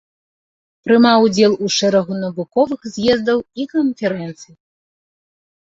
Прымаў удзел у шэрагу навуковых з'ездаў і канферэнцый.